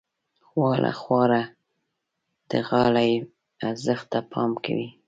غاله خواره د غالۍ ارزښت ته پام کوي.